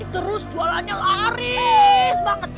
terus jualannya laris banget